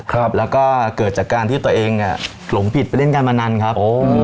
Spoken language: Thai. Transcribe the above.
ครับแล้วก็เกิดจากการที่ตัวเองอ่ะหลงผิดไปเล่นการมานานครับโอ้